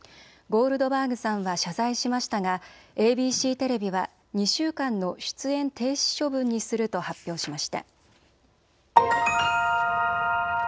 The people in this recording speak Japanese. ゴールドバーグさんは謝罪しましたがＡＢＣテレビは２週間の出演停止処分にすると発表しました。